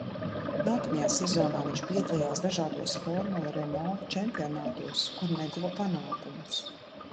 Nākamajā sezonā viņš piedalījās dažādos Formula Renault čempionātos, kur neguva panākumus.